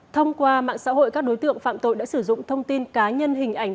thông qua mạng xã hội các đối tượng phạm tội đã sử dụng thông tin cá nhân hình ảnh